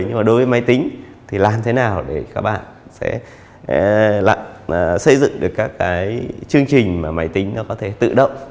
nhưng mà đối với máy tính thì làm thế nào để các bạn sẽ xây dựng được các cái chương trình mà máy tính nó có thể tự động